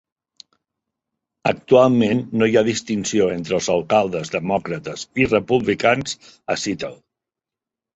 Actualment no hi ha distinció entre els alcaldes demòcrates i republicans a Seattle.